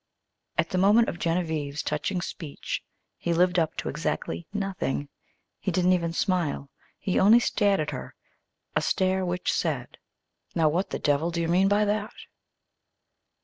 At the moment of Genevieve's touching speech he lived up to exactly nothing. He didn't even smile. He only stared at her a stare which said: "Now what the devil do you mean by that?"